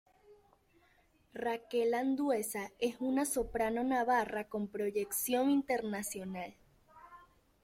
Raquel Andueza es una soprano navarra con proyección internacional.